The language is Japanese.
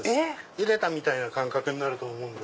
ゆでたみたいな感覚になると思う。